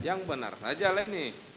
yang benar saja lek nih